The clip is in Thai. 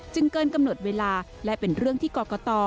เกินกำหนดเวลาและเป็นเรื่องที่กรกต